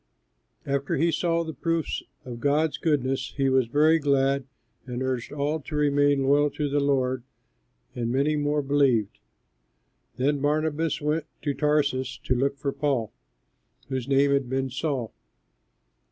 After he saw the proofs of God's goodness, he was very glad and urged all to remain loyal to the Lord; and many more believed. Then Barnabas went to Tarsus to look for Paul, whose name had been Saul.